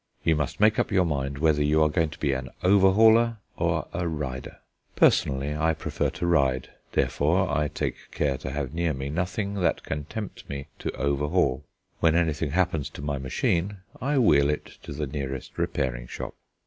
You must make up your mind whether you are going to be an "overhauler" or a rider. Personally, I prefer to ride, therefore I take care to have near me nothing that can tempt me to overhaul. When anything happens to my machine I wheel it to the nearest repairing shop.